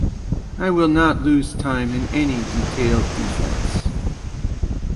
I will not lose time in any detailed defense.